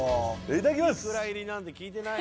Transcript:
いただきます！